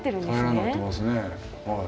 平らになってますねはい。